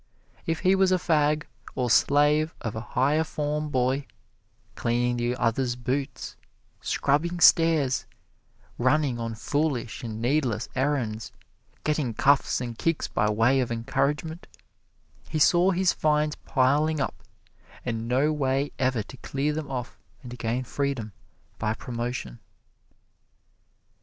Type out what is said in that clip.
If he was a fag, or slave of a higher form boy, cleaning the other's boots, scrubbing stairs, running on foolish and needless errands, getting cuffs and kicks by way of encouragement, he saw his fines piling up and no way ever to clear them off and gain freedom by promotion.